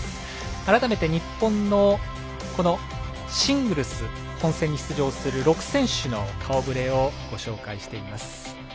改めて、日本のシングルス本戦に出場する６選手の顔ぶれをご紹介しています。